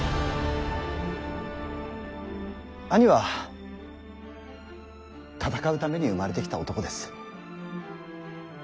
兄は戦うために生まれてきた男です。